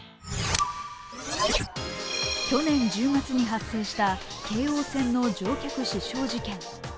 去年１０月に発生した京王線の乗客刺傷事件。